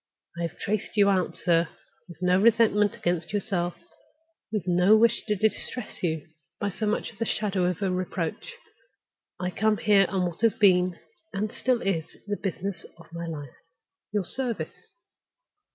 I have traced you out, sir, with no resentment against yourself, with no wish to distress you by so much as the shadow of a reproach. I come here on what has been, and is still, the business of my life—your service."